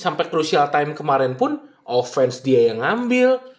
sampai crucial time kemarin pun offense dia yang ngambil